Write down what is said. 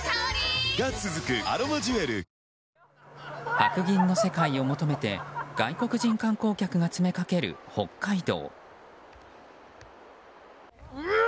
白銀の世界を求めて外国人観光客が詰めかける北海道。